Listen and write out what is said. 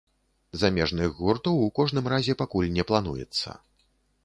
Замежных гуртоў у кожным разе пакуль не плануецца.